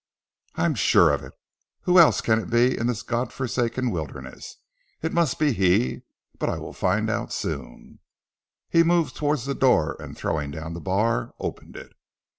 "I am sure of it! Who else can it be in this God forsaken wilderness? It must be he, but I will soon find out!" He moved towards the door and throwing down the bar, opened it.